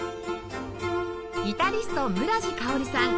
ギタリスト村治佳織さん